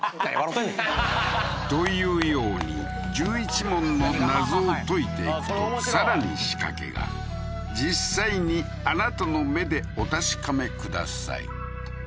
てんねんははははっというように１１問の謎を解いていくとさらにしかけが実際にあなたの目でお確かめください